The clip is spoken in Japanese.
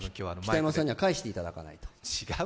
北山さんには返していただかないと。